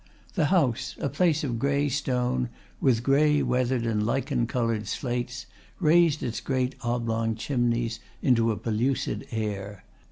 The house, a place of grey stone with grey weathered and lichen coloured slates, raised its great oblong chimneys into a pellucid air.